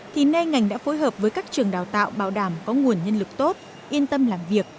thì nay ngành đã phối hợp với các trường đào tạo bảo đảm có nguồn nhân lực tốt yên tâm làm việc